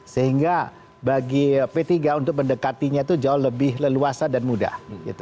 sehingga bagi p tiga untuk mendekatinya itu jauh lebih leluasa dan mudah